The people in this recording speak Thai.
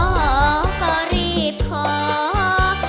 จะขอก็รีบขอ